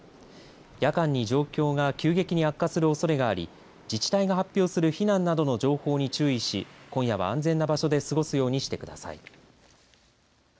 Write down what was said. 夜間に状況が急激に悪化するおそれがあり自治体が発表する避難などの情報に注意し今夜は安全な場所で過ごすようにしてください。